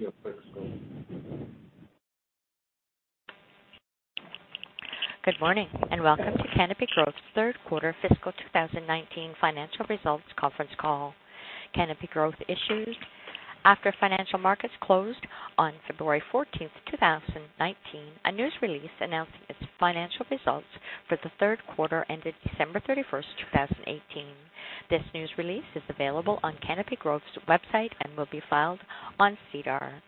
Still fixing. Good morning, welcome to Canopy Growth's third quarter fiscal 2019 financial results conference call. Canopy Growth issued after financial markets closed on February 14th, 2019, a news release announcing its financial results for the third quarter ended December 31st, 2018. This news release is available on Canopy Growth's website and will be filed on SEDAR.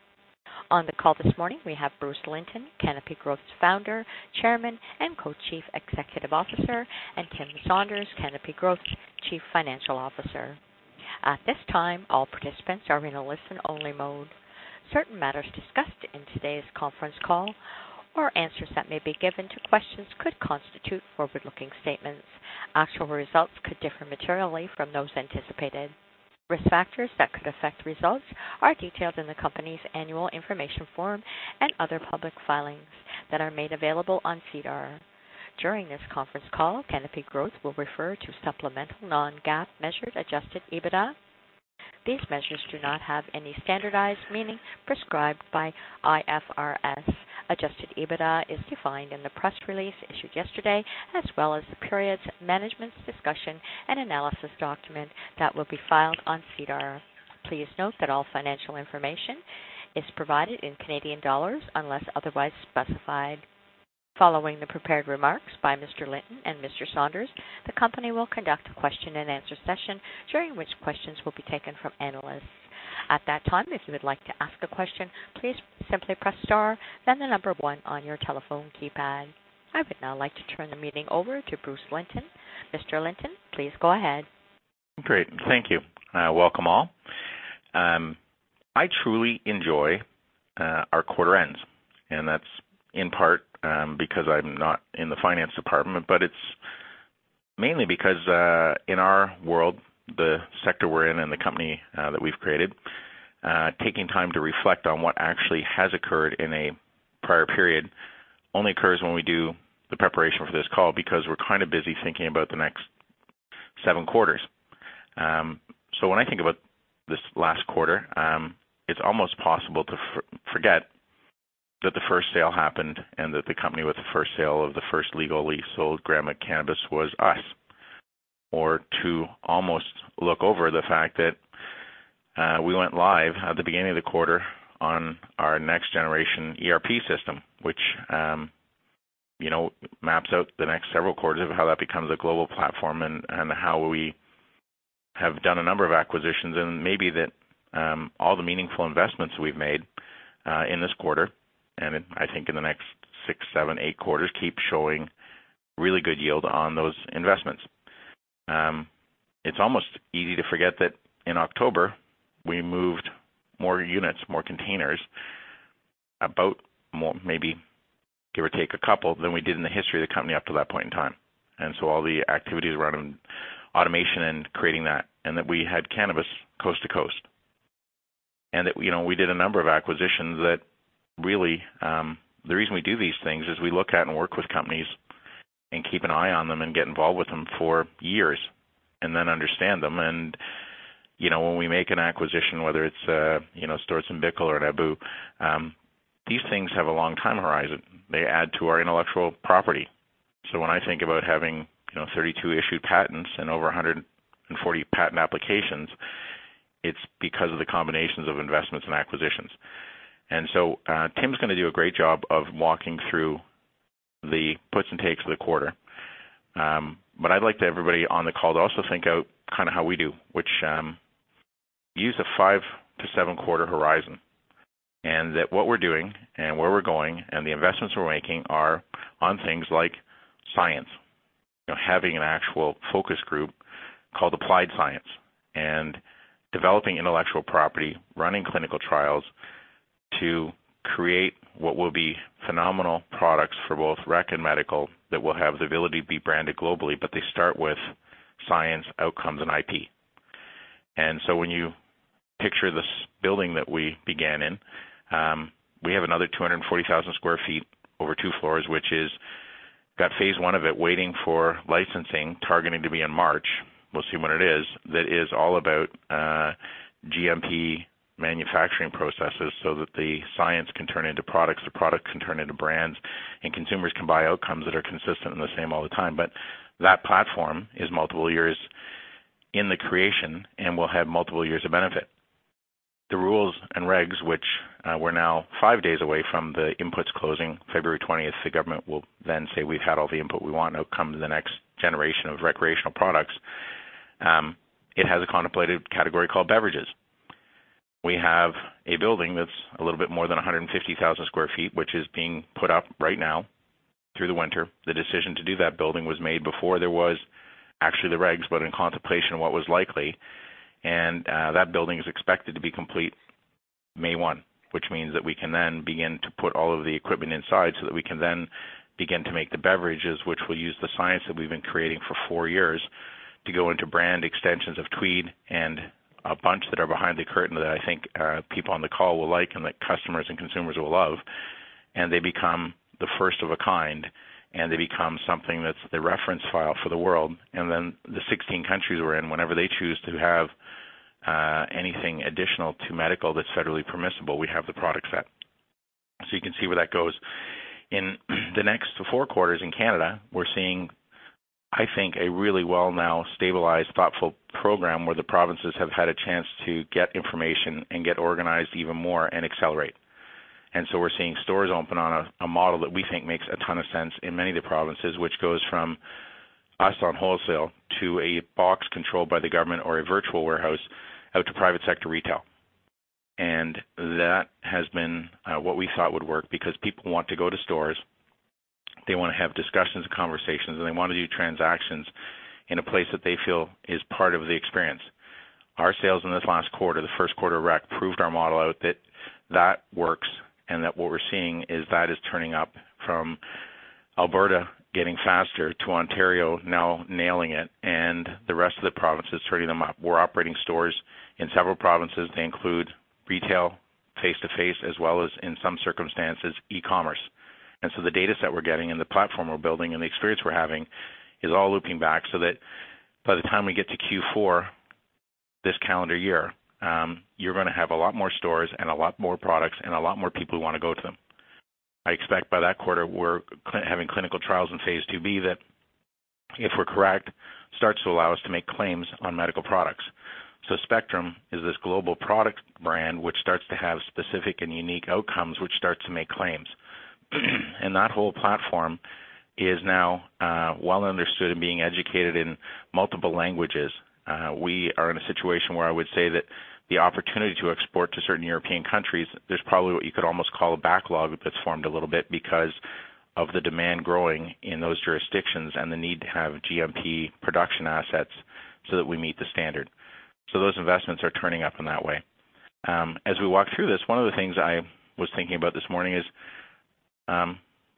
On the call this morning, we have Bruce Linton, Canopy Growth's Founder, Chairman, and Co-Chief Executive Officer, and Tim Saunders, Canopy Growth Chief Financial Officer. At this time, all participants are in a listen-only mode. Certain matters discussed in today's conference call or answers that may be given to questions could constitute forward-looking statements. Actual results could differ materially from those anticipated. Risk factors that could affect results are detailed in the company's annual information form and other public filings that are made available on SEDAR. During this conference call, Canopy Growth will refer to supplemental non-GAAP measures, adjusted EBITDA. These measures do not have any standardized meaning prescribed by IFRS. Adjusted EBITDA is defined in the press release issued yesterday, as well as the period's management's discussion and analysis document that will be filed on SEDAR. Please note that all financial information is provided in Canadian dollars unless otherwise specified. Following the prepared remarks by Mr. Linton and Mr. Saunders, the company will conduct a question and answer session, during which questions will be taken from analysts. At that time, if you would like to ask a question, please simply press star, then the number 1 on your telephone keypad. I would now like to turn the meeting over to Bruce Linton. Mr. Linton, please go ahead. Great. Thank you. Welcome all. I truly enjoy our quarter ends, that's in part because I'm not in the finance department, but it's mainly because, in our world, the sector we're in and the company that we've created, taking time to reflect on what actually has occurred in a prior period only occurs when we do the preparation for this call because we're kind of busy thinking about the next seven quarters. When I think about this last quarter, it's almost possible to forget that the first sale happened and that the company with the first sale of the first legally sold gram of cannabis was us. To almost look over the fact that we went live at the beginning of the quarter on our next generation ERP system. Which maps out the next several quarters of how that becomes a global platform and how we have done a number of acquisitions and that all the meaningful investments we've made in this quarter and I think in the next six, seven, eight quarters, keep showing really good yield on those investments. It's almost easy to forget that in October, we moved more units, more containers, about maybe give or take a couple than we did in the history of the company up to that point in time. All the activities around automation and creating that, and that we had cannabis coast to coast. We did a number of acquisitions that really, the reason we do these things is we look at and work with companies and keep an eye on them and get involved with them for years and then understand them. When we make an acquisition, whether it's Storz & Bickel or ebbu, these things have a long time horizon. They add to our intellectual property. When I think about having 32 issued patents and over 140 patent applications, it's because of the combinations of investments and acquisitions. Tim's going to do a great job of walking through the puts and takes of the quarter. I'd like everybody on the call to also think about how we do, which use a five to seven-quarter horizon. What we're doing and where we're going and the investments we're making are on things like science. Having an actual focus group called Applied Science and developing intellectual property, running clinical trials to create what will be phenomenal products for both rec and medical that will have the ability to be branded globally, but they start with science, outcomes, and IP. When you picture this building that we began in, we have another 240,000 sq ft over two floors, which is got phase I of it waiting for licensing, targeting to be in March. We'll see when it is. That is all about GMP manufacturing processes so that the science can turn into products, the products can turn into brands, and consumers can buy outcomes that are consistent and the same all the time. That platform is multiple years in the creation and will have multiple years of benefit. The rules and regs, which we're now five days away from the inputs closing February 20th, the government will then say, "We've had all the input we want. Come to the next generation of recreational products." It has a contemplated category called beverages. We have a building that's a little bit more than 150,000 sq ft, which is being put up right now through the winter. The decision to do that building was made before there was actually the regs, but in contemplation of what was likely. That building is expected to be complete May 1, which means that we can then begin to put all of the equipment inside so that we can then begin to make the beverages, which will use the science that we've been creating for 4 years to go into brand extensions of Tweed and a bunch that are behind the curtain that I think people on the call will like and that customers and consumers will love. They become the first of a kind, and they become something that's the reference file for the world. Then the 16 countries we're in, whenever they choose to have anything additional to medical that's federally permissible, we have the product set. You can see where that goes. In the next 4 quarters in Canada, we're seeing, I think, a really well now stabilized, thoughtful program where the provinces have had a chance to get information and get organized even more and accelerate. We're seeing stores open on a model that we think makes a ton of sense in many of the provinces, which goes from us on wholesale to a box controlled by the government or a virtual warehouse out to private sector retail. That has been what we thought would work because people want to go to stores, they want to have discussions and conversations, and they want to do transactions in a place that they feel is part of the experience. Our sales in this last quarter, the first quarter rec, proved our model out that that works and that what we're seeing is that is turning up from Alberta getting faster to Ontario now nailing it and the rest of the provinces turning them up. We're operating stores in several provinces. They include retail, face-to-face, as well as, in some circumstances, e-commerce. The data set we're getting and the platform we're building and the experience we're having is all looping back so that by the time we get to Q4 this calendar year, you're going to have a lot more stores and a lot more products and a lot more people who want to go to them. I expect by that quarter we're having clinical trials in Phase IIB that, if we're correct, starts to allow us to make claims on medical products. Spectrum is this global product brand which starts to have specific and unique outcomes which start to make claims. That whole platform is now well understood and being educated in multiple languages. We are in a situation where I would say that the opportunity to export to certain European countries, there's probably what you could almost call a backlog that's formed a little bit because of the demand growing in those jurisdictions and the need to have GMP production assets so that we meet the standard. Those investments are turning up in that way. As we walk through this, one of the things I was thinking about this morning is,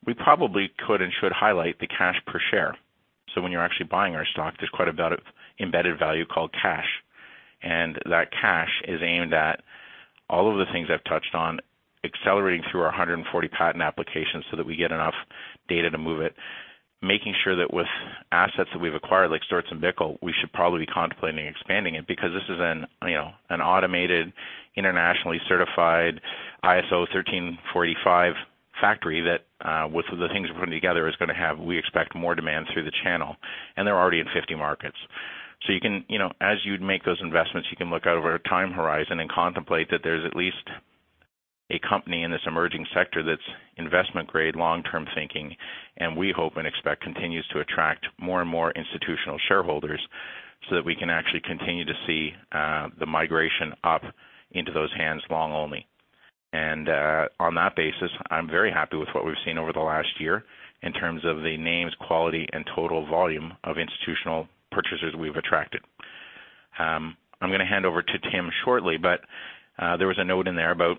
we probably could and should highlight the cash per share. When you're actually buying our stock, there's quite a bit of embedded value called cash, and that cash is aimed at all of the things I've touched on, accelerating through our 140 patent applications so that we get enough data to move it. Making sure that with assets that we've acquired, like Storz & Bickel, we should probably be contemplating expanding it because this is an automated, internationally certified ISO 13485 factory that, with the things we're putting together, is going to have, we expect, more demand through the channel, and they're already in 50 markets. As you'd make those investments, you can look out over a time horizon and contemplate that there's at least a company in this emerging sector that's investment-grade, long-term thinking, and we hope and expect continues to attract more and more institutional shareholders so that we can actually continue to see the migration up into those hands long only. On that basis, I'm very happy with what we've seen over the last year in terms of the names, quality, and total volume of institutional purchasers we've attracted. I'm going to hand over to Tim shortly, but there was a note in there about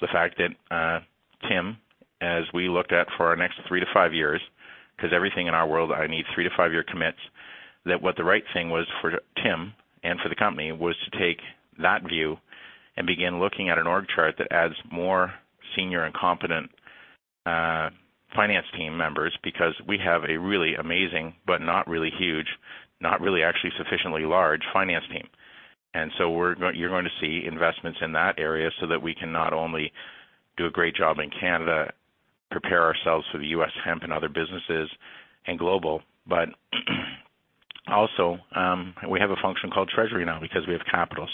the fact that Tim, as we looked at for our next three to five years, because everything in our world, I need three-to-five-year commits, that what the right thing was for Tim and for the company was to take that view and begin looking at an org chart that adds more senior and competent finance team members because we have a really amazing, but not really huge, not really actually sufficiently large finance team. You're going to see investments in that area so that we can not only do a great job in Canada, prepare ourselves for the U.S. hemp and other businesses and global, but also, we have a function called treasury now because we have capital.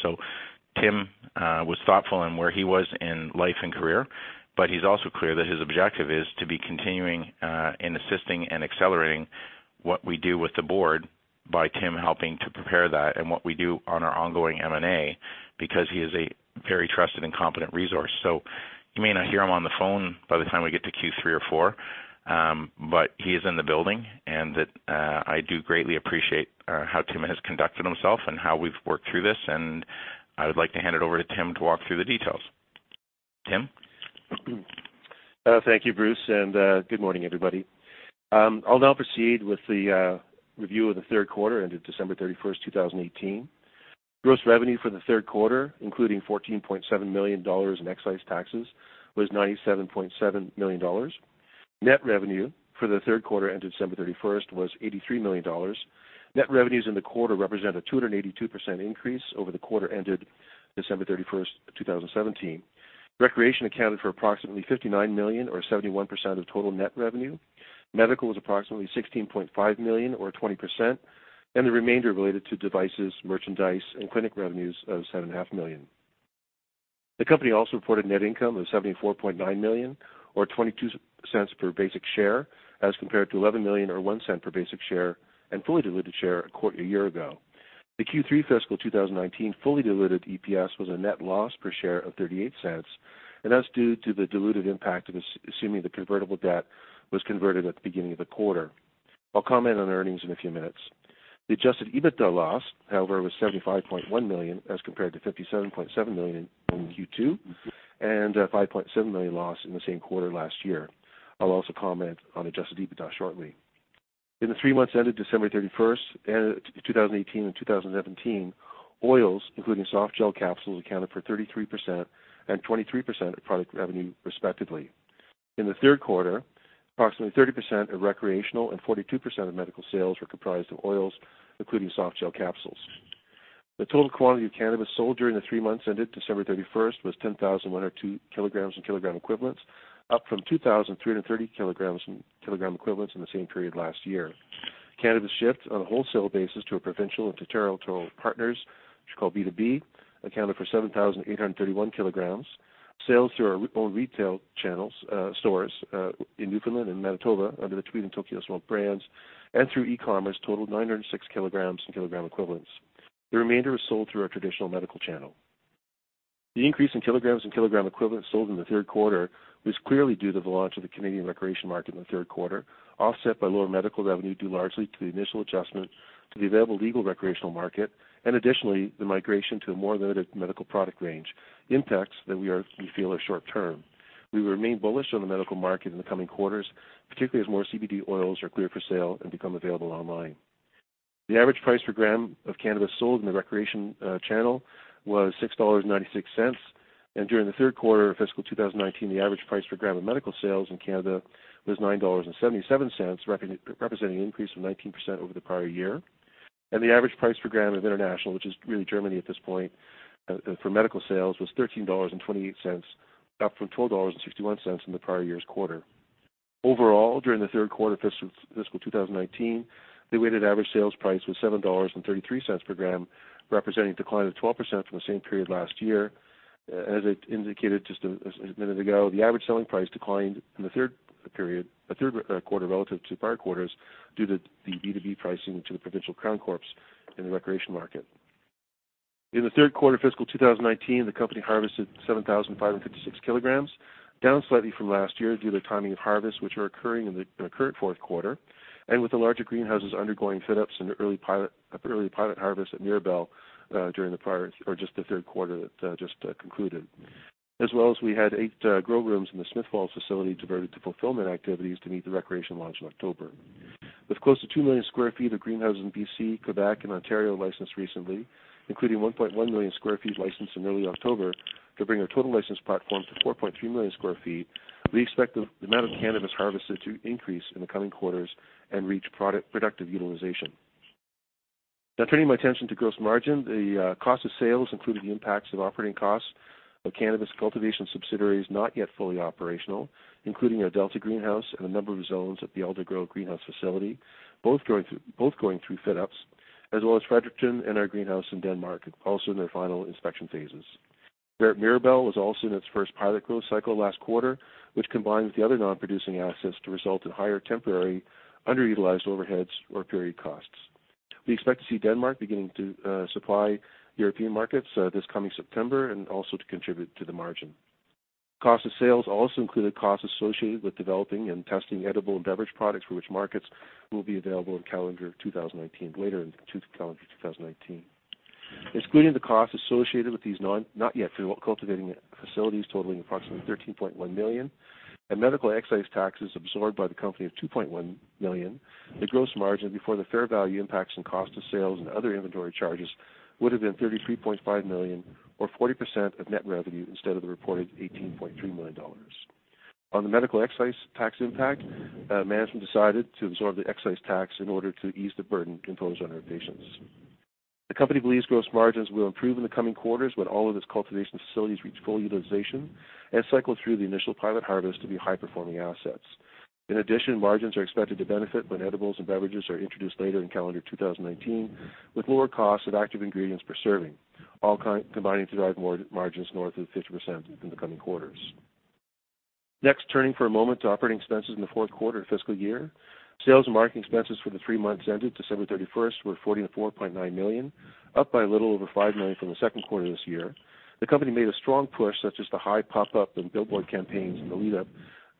Tim was thoughtful in where he was in life and career, but he's also clear that his objective is to be continuing, in assisting and accelerating what we do with the board by Tim helping to prepare that and what we do on our ongoing M&A, because he is a very trusted and competent resource. You may not hear him on the phone by the time we get to Q3 or 4, but he is in the building and that I do greatly appreciate how Tim has conducted himself and how we've worked through this, and I would like to hand it over to Tim to walk through the details. Tim? Thank you, Bruce, good morning, everybody. I'll now proceed with the review of the third quarter ended December 31st, 2018. Gross revenue for the third quarter, including 14.7 million dollars in excise taxes, was 97.7 million dollars. Net revenue for the third quarter ended December 31st was 83 million dollars. Net revenues in the quarter represent a 282% increase over the quarter ended December 31st, 2017. Recreation accounted for approximately 59 million or 71% of total net revenue. Medical was approximately 16.5 million or 20%. The remainder related to devices, merchandise, and clinic revenues of 7.5 million. The company also reported net income of 74.9 million or 0.22 per basic share as compared to 11 million or 0.01 per basic share and fully diluted share a year ago. The Q3 fiscal 2019 fully diluted EPS was a net loss per share of 0.38, that's due to the diluted impact of assuming the convertible debt was converted at the beginning of the quarter. I'll comment on earnings in a few minutes. The adjusted EBITDA loss, however, was 75.1 million as compared to 57.7 million in Q2 and a 5.7 million loss in the same quarter last year. I'll also comment on adjusted EBITDA shortly. In the three months ended December 31st, 2018 and 2017, oils, including softgel capsules, accounted for 33% and 23% of product revenue respectively. In the third quarter, approximately 30% of recreational and 42% of medical sales were comprised of oils, including softgel capsules. The total quantity of cannabis sold during the three months ended December 31st was 10,102 kilograms and kilogram equivalents, up from 2,330 kilograms and kilogram equivalents in the same period last year. Cannabis shipped on a wholesale basis to our provincial and territorial partners, which we call B2B, accounted for 7,831 kilograms. Sales through our own retail channels, stores, in Newfoundland and Manitoba under the Tweed and Tokyo Smoke brands and through e-commerce totaled 906 kilograms and kilogram equivalents. The remainder was sold through our traditional medical channel. The increase in kilograms and kilogram equivalents sold in the third quarter was clearly due to the launch of the Canadian recreation market in the third quarter, offset by lower medical revenue, due largely to the initial adjustment to the available legal recreational market, additionally, the migration to a more limited medical product range, impacts that we feel are short-term. We remain bullish on the medical market in the coming quarters, particularly as more CBD oils are cleared for sale and become available online. The average price per gram of cannabis sold in the recreation channel was 6.96 dollars. During the third quarter of fiscal 2019, the average price per gram of medical sales in Canada was 9.77 dollars, representing an increase from 19% over the prior year. The average price per gram of international, which is really Germany at this point, for medical sales was 13.28 dollars, up from 12.61 dollars in the prior year's quarter. Overall, during the third quarter of fiscal 2019, the weighted average sales price was 7.33 dollars per gram, representing a decline of 12% from the same period last year. As I indicated just a minute ago, the average selling price declined in the third quarter relative to prior quarters due to the B2B pricing to the provincial crown corps in the recreation market. In the third quarter fiscal 2019, the company harvested 7,556 kilograms, down slightly from last year due to the timing of harvests which are occurring in the current fourth quarter and with the larger greenhouses undergoing fit outs and early pilot harvests at Mirabel during the third quarter that just concluded. As well as we had eight grow rooms in the Smiths Falls facility diverted to fulfillment activities to meet the recreation launch in October. With close to 2 million sq ft of greenhouses in B.C., Quebec and Ontario licensed recently, including 1.1 million sq ft licensed in early October to bring our total licensed platform to 4.3 million sq ft, we expect the amount of cannabis harvested to increase in the coming quarters and reach productive utilization. Turning my attention to gross margin. The cost of sales included the impacts of operating costs of cannabis cultivation subsidiaries not yet fully operational, including our Delta greenhouse and a number of zones at the Aldergrove greenhouse facility, both going through fit outs, as well as Fredericton and our greenhouse in Denmark, also in their final inspection phases. Mirabel was also in its first pilot grow cycle last quarter, which combines the other non-producing assets to result in higher temporary underutilized overheads or period costs. We expect to see Denmark beginning to supply European markets this coming September and also to contribute to the margin. Cost of sales also included costs associated with developing and testing edible and beverage products for which markets will be available in calendar 2019, later in calendar 2019. Excluding the costs associated with these not-yet-fully cultivating facilities totaling approximately 13.1 million and medical excise taxes absorbed by the company of 2.1 million, the gross margin before the fair value impacts and cost of sales and other inventory charges would have been 33.5 million or 40% of net revenue instead of the reported 18.3 million dollars. On the medical excise tax impact, management decided to absorb the excise tax in order to ease the burden imposed on our patients. The company believes gross margins will improve in the coming quarters when all of its cultivation facilities reach full utilization and cycle through the initial pilot harvest of the high-performing assets. In addition, margins are expected to benefit when edibles and beverages are introduced later in calendar 2019 with lower costs of active ingredients per serving, all combining to drive margins north of 50% in the coming quarters. Turning for a moment to operating expenses in the fourth quarter and fiscal year. Sales and marketing expenses for the three months ended December 31st were 44.9 million, up by a little over 5 million from the second quarter this year. The company made a strong push, such as the high pop-up and billboard campaigns in the lead-up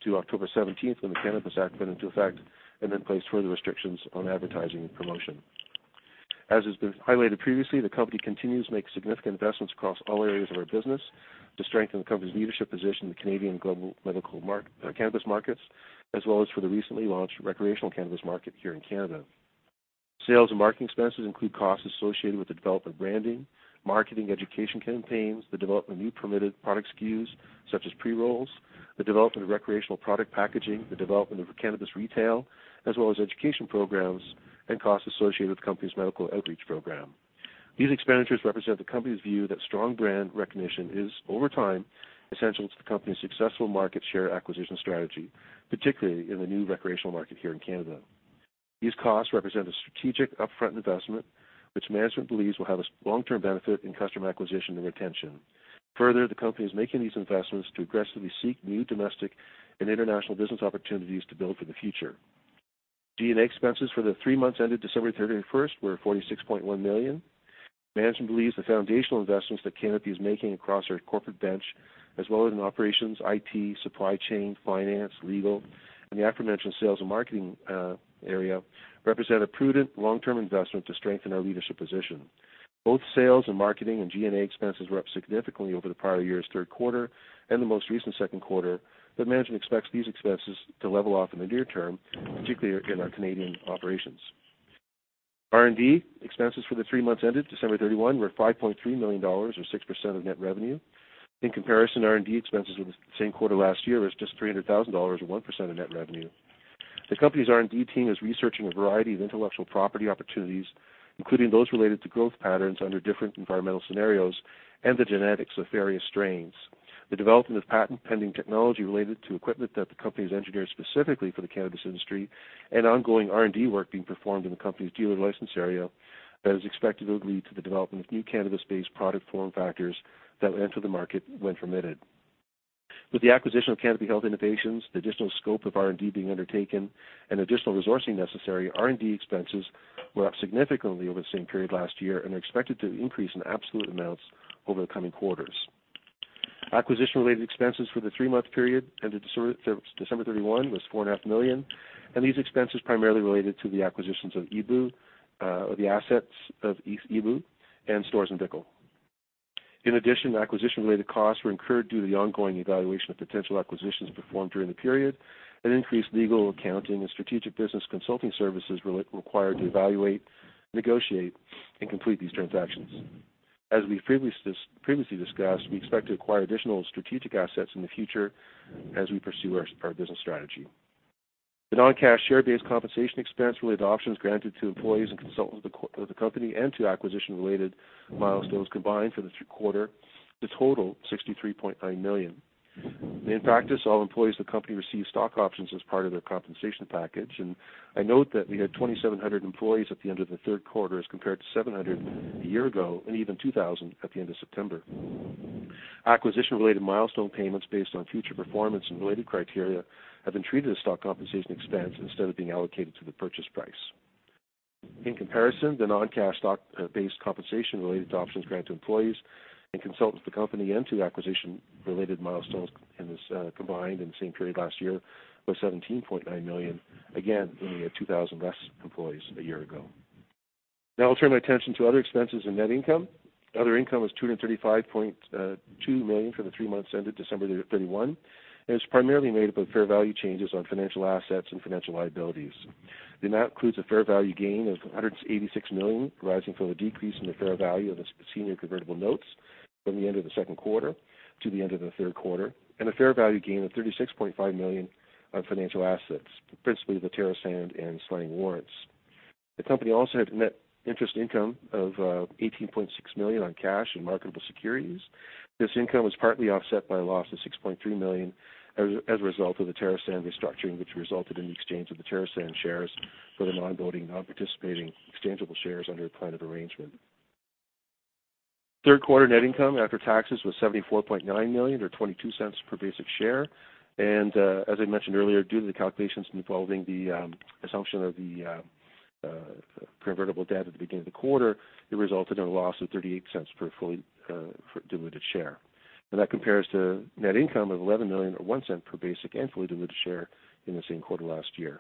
to October 17th when the Cannabis Act went into effect, then placed further restrictions on advertising and promotion. As has been highlighted previously, the company continues to make significant investments across all areas of our business to strengthen the company's leadership position in the Canadian global cannabis markets, as well as for the recently launched recreational cannabis market here in Canada. Sales and marketing expenses include costs associated with the development of branding, marketing education campaigns, the development of new permitted product SKUs such as pre-rolls, the development of recreational product packaging, the development of cannabis retail, as well as education programs and costs associated with the company's medical outreach program. These expenditures represent the company's view that strong brand recognition is, over time, essential to the company's successful market share acquisition strategy, particularly in the new recreational market here in Canada. These costs represent a strategic upfront investment, which management believes will have a long-term benefit in customer acquisition and retention. The company is making these investments to aggressively seek new domestic and international business opportunities to build for the future. G&A expenses for the three months ended December 31 were 46.1 million. Management believes the foundational investments that Canopy Growth is making across our corporate bench as well as in operations, IT, supply chain, finance, legal, and the aforementioned sales and marketing area represent a prudent long-term investment to strengthen our leadership position. Both sales and marketing and G&A expenses were up significantly over the prior year's third quarter and the most recent second quarter, management expects these expenses to level off in the near term, particularly in our Canadian operations. R&D expenses for the three months ended December 31 were 5.3 million dollars, or 6% of net revenue. In comparison, R&D expenses for the same quarter last year was just 300,000 dollars, or 1% of net revenue. The company's R&D team is researching a variety of intellectual property opportunities, including those related to growth patterns under different environmental scenarios and the genetics of various strains. The development of patent-pending technology related to equipment that the company has engineered specifically for the cannabis industry, and ongoing R&D work being performed in the company's dealer license area that is expected to lead to the development of new cannabis-based product form factors that will enter the market when permitted. With the acquisition of Canopy Health Innovations, the additional scope of R&D being undertaken, and additional resourcing necessary, R&D expenses were up significantly over the same period last year and are expected to increase in absolute amounts over the coming quarters. Acquisition-related expenses for the three-month period ended December 31 was 4.5 million, and these expenses primarily related to the assets of ebbu and Storz & Bickel. Acquisition-related costs were incurred due to the ongoing evaluation of potential acquisitions performed during the period and increased legal, accounting, and strategic business consulting services required to evaluate, negotiate, and complete these transactions. As we previously discussed, we expect to acquire additional strategic assets in the future as we pursue our business strategy. The non-cash share-based compensation expense related to options granted to employees and consultants of the company and to acquisition-related milestones combined for the third quarter to total 63.9 million. In practice, all employees of the company receive stock options as part of their compensation package, and I note that we had 2,700 employees at the end of the third quarter as compared to 700 a year ago, and even 2,000 at the end of September. Acquisition-related milestone payments based on future performance and related criteria have been treated as stock compensation expense instead of being allocated to the purchase price. In comparison, the non-cash stock-based compensation related to options granted to employees and consultants of the company and to acquisition-related milestones combined in the same period last year was 17.9 million, again, when we had 2,000 less employees a year ago. I'll turn my attention to other expenses and net income. Other income was 235.2 million for the three months ended December 31, and it's primarily made up of fair value changes on financial assets and financial liabilities. The amount includes a fair value gain of 186 million, rising from the decrease in the fair value of the senior convertible notes from the end of the second quarter to the end of the third quarter, and a fair value gain of 36.5 million on financial assets, principally the TerrAscend and Slang warrants. The company also had net interest income of 18.6 million on cash and marketable securities. This income was partly offset by a loss of 6.3 million as a result of the TerrAscend restructuring, which resulted in the exchange of the TerrAscend shares for the non-voting, non-participating exchangeable shares under a plan of arrangement. Third quarter net income after taxes was 74.9 million, or 0.22 per basic share. As I mentioned earlier, due to the calculations involving the assumption of the convertible debt at the beginning of the quarter, it resulted in a loss of 0.38 per fully diluted share. That compares to net income of 11 million, or 0.01 per basic and fully diluted share in the same quarter last year.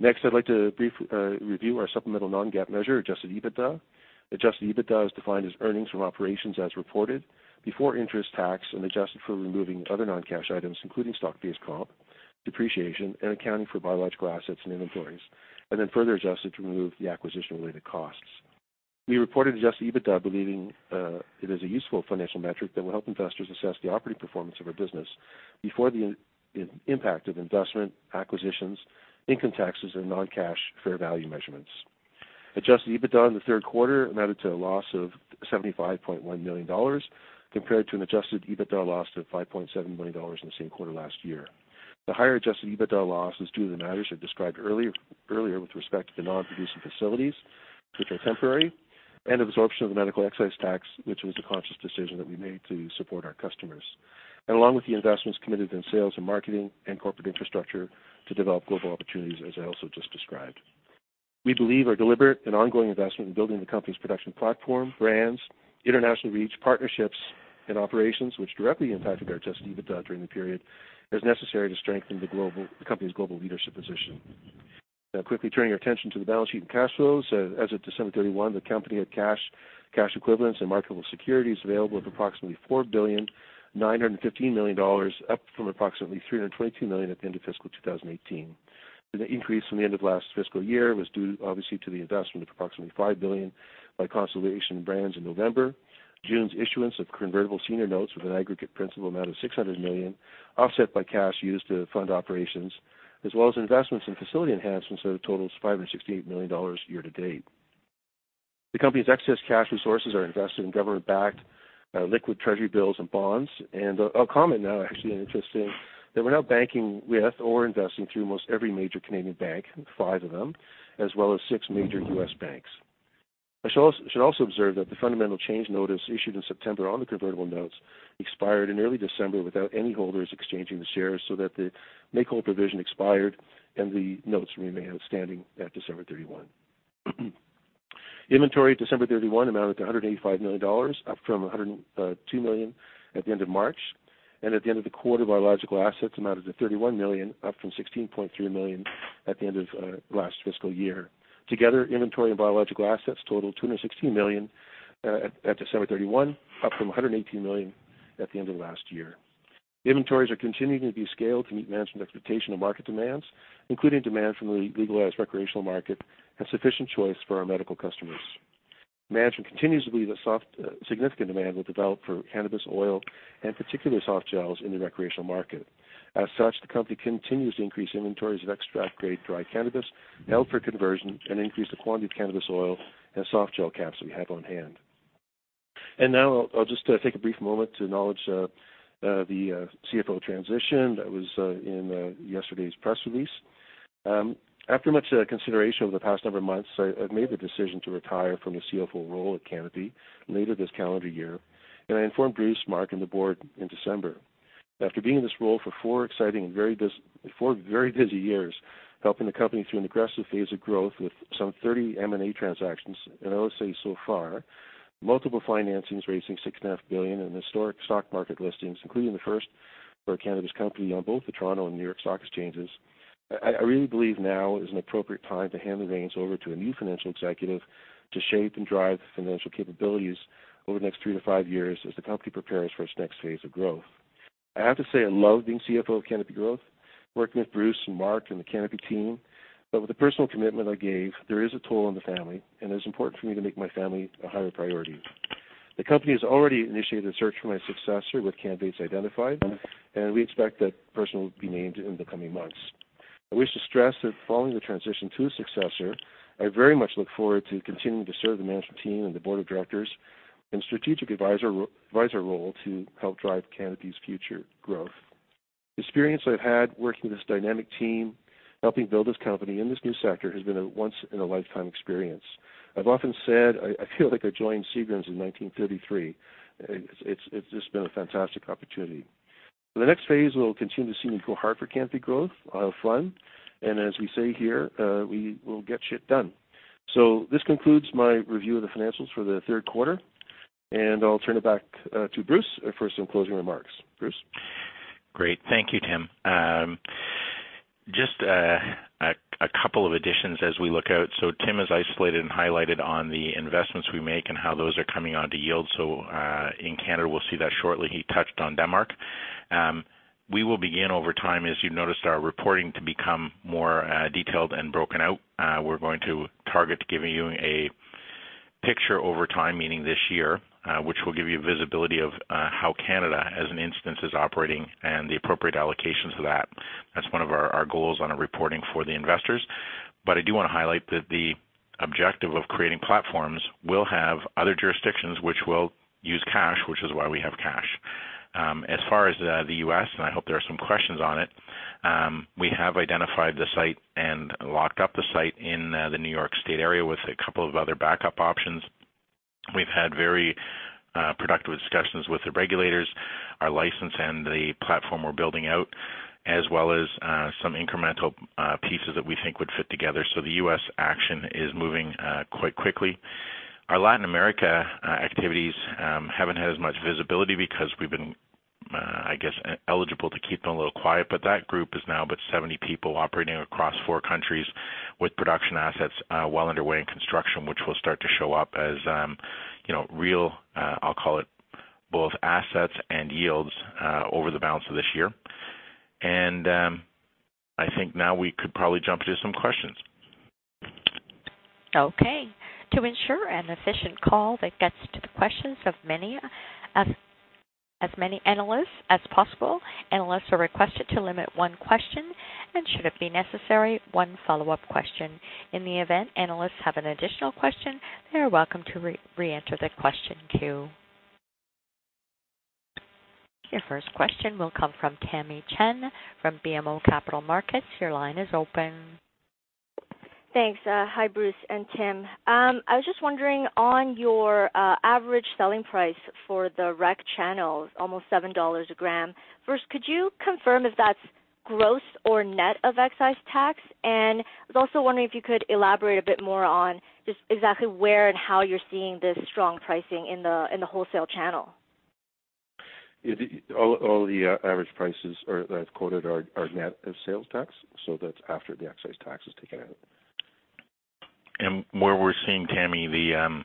Next, I'd like to briefly review our supplemental non-GAAP measure, adjusted EBITDA. Adjusted EBITDA is defined as earnings from operations as reported, before interest tax and adjusted for removing other non-cash items, including stock-based comp, depreciation, and accounting for biological assets and inventories, and then further adjusted to remove the acquisition-related costs. We reported adjusted EBITDA, believing it is a useful financial metric that will help investors assess the operating performance of our business before the impact of investment, acquisitions, income taxes, and non-cash fair value measurements. Adjusted EBITDA in the third quarter amounted to a loss of 75.9 million dollars, compared to an adjusted EBITDA loss of 5.7 million dollars in the same quarter last year. The higher adjusted EBITDA loss is due to the matters I described earlier with respect to the non-producing facilities, which are temporary, and absorption of the medical excise tax, which was a conscious decision that we made to support our customers. Along with the investments committed in sales and marketing and corporate infrastructure to develop global opportunities, as I also just described. We believe our deliberate and ongoing investment in building the company's production platform, brands, international reach, partnerships, and operations, which directly impacted our adjusted EBITDA during the period, is necessary to strengthen the company's global leadership position. Quickly turning our attention to the balance sheet and cash flows. As of December 31, the company had cash equivalents, and marketable securities available of approximately 4,915,000,000 dollars, up from approximately 322 million at the end of fiscal 2018. The increase from the end of last fiscal year was due obviously to the investment of approximately 5 billion by Constellation Brands in November, June's issuance of convertible senior notes with an aggregate principal amount of 600 million, offset by cash used to fund operations, as well as investments in facility enhancements that have totaled 568 million dollars year to date. The company's excess cash resources are invested in government-backed liquid Treasury bills and bonds. I'll comment now, actually, interesting, that we're now banking with or investing through most every major Canadian bank, five of them, as well as six major U.S. banks. I should also observe that the fundamental change notice issued in September on the convertible notes expired in early December without any holders exchanging the shares so that the make-whole provision expired and the notes remain outstanding at December 31. Inventory at December 31 amounted to 185 million dollars, up from 102 million at the end of March. And at the end of the quarter, biological assets amounted to 31 million, up from 16.3 million at the end of last fiscal year. Together, inventory and biological assets totaled 216 million at December 31, up from 118 million at the end of last year. Inventories are continuing to be scaled to meet management expectation of market demands, including demand from the legalized recreational market and sufficient choice for our medical customers. Management continues to believe that significant demand will develop for cannabis oil and particularly softgels in the recreational market. As such, the company continues to increase inventories of extract-grade dry cannabis held for conversion and increase the quantity of cannabis oil and softgel caps we have on hand. Now I'll just take a brief moment to acknowledge the CFO transition that was in yesterday's press release. After much consideration over the past number of months, I've made the decision to retire from the CFO role at Canopy later this calendar year, and I informed Bruce, Mark, and the board in December. After being in this role for four very busy years, helping the company through an aggressive phase of growth with some 30 M&A transactions in OSI so far, multiple financings raising 6.5 billion, and historic stock market listings, including the first for a cannabis company on both the Toronto Stock Exchange and New York Stock Exchange, I really believe now is an appropriate time to hand the reins over to a new financial executive to shape and drive the financial capabilities over the next three to five years as the company prepares for its next phase of growth. I have to say, I love being CFO of Canopy Growth, working with Bruce and Mark and the Canopy team, but with the personal commitment I gave, there is a toll on the family, and it is important for me to make my family a higher priority. The company has already initiated a search for my successor with candidates identified, and we expect that person will be named in the coming months. I wish to stress that following the transition to a successor, I very much look forward to continuing to serve the management team and the board of directors in a strategic advisor role to help drive Canopy's future growth. The experience I've had working with this dynamic team, helping build this company in this new sector, has been a once-in-a-lifetime experience. I've often said I feel like I joined Seagram's in 1933. It's just been a fantastic opportunity. For the next phase, you will continue to see me go hard for Canopy Growth. I'll have fun, and as we say here, we will get shit done. This concludes my review of the financials for the third quarter, and I'll turn it back to Bruce for some closing remarks. Bruce? Great. Thank you, Tim. Just a couple of additions as we look out. Tim has isolated and highlighted on the investments we make and how those are coming on to yield. In Canada, we'll see that shortly. He touched on Denmark. We will begin over time, as you've noticed, our reporting to become more detailed and broken out. We're going to target giving you a picture over time, meaning this year, which will give you visibility of how Canada, as an instance, is operating and the appropriate allocations of that. That's one of our goals on our reporting for the investors. I do want to highlight that the objective of creating platforms will have other jurisdictions which will use cash, which is why we have cash. As far as the U.S., and I hope there are some questions on it, we have identified the site and locked up the site in the New York State area with a couple of other backup options. We've had very productive discussions with the regulators, our license, and the platform we're building out, as well as some incremental pieces that we think would fit together. The U.S. action is moving quite quickly. Our Latin America activities haven't had as much visibility because we've been, I guess, eligible to keep them a little quiet. That group is now about 70 people operating across four countries with production assets well underway in construction, which will start to show up as real, I'll call it, both assets and yields over the balance of this year. I think now we could probably jump to some questions. Okay. To ensure an efficient call that gets to the questions of as many analysts as possible, analysts are requested to limit one question and, should it be necessary, one follow-up question. In the event analysts have an additional question, they are welcome to reenter the question queue. Your first question will come from Tamy Chen from BMO Capital Markets. Your line is open. Thanks. Hi, Bruce and Tim. I was just wondering on your average selling price for the rec channels, almost 7 dollars a gram. First, could you confirm if that's gross or net of excise tax? I was also wondering if you could elaborate a bit more on just exactly where and how you're seeing this strong pricing in the wholesale channel. All the average prices that I've quoted are net of sales tax, that's after the excise tax is taken out. Where we're seeing, Tamy, the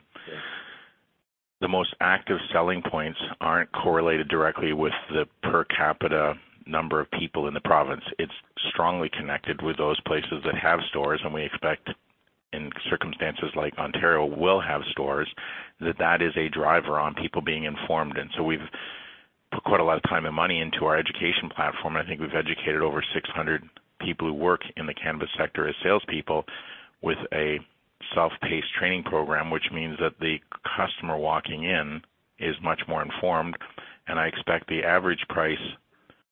most active selling points aren't correlated directly with the per capita number of people in the province. It's strongly connected with those places that have stores, and we expect in circumstances like Ontario will have stores, that that is a driver on people being informed. We've put quite a lot of time and money into our education platform, and I think we've educated over 600 people who work in the cannabis sector as salespeople with a self-paced training program, which means that the customer walking in is much more informed. I expect the average price